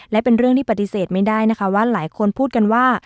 และเป็นเรื่องที่ปฏิเสธไม่ได้นะคะว่าหลายคนพูดกันว่า